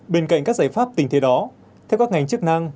bên cạnh các giải pháp tình thế đó theo các ngành chức năng